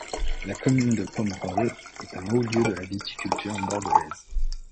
La commune de Pomerol est un haut lieu de la viticulture bordelaise.